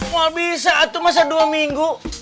mal bisa atuh masa dua minggu